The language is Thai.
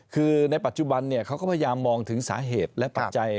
คือในปัจจุบันเขาก็พยายามมองถึงสาเหตุและปัจจัย